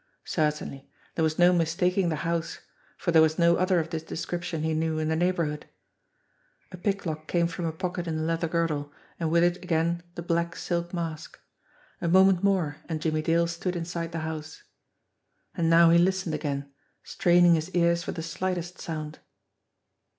Certainly, there was no mistaking the house for there was no other of this description, he knew, in the neighbourhood. A pick lock came from a pocket in the leather girdle, and with it again the black silk mask. A moment more, and Jimmie Dale stood inside the house. And now he listened again, straining his ears for the slightest sound.